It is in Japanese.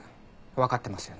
わかってますよね？